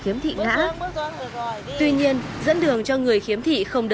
em cảm ơn